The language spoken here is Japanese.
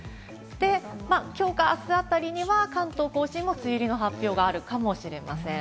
今日か明日あたりには関東甲信も梅雨入りの発表があるかもしれません。